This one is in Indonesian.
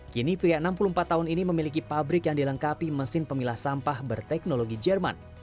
kini pria enam puluh empat tahun ini memiliki pabrik yang dilengkapi mesin pemilah sampah berteknologi jerman